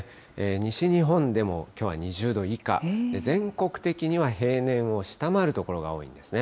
西日本でもきょうは２０度以下、全国的には平年を下回る所が多いんですね。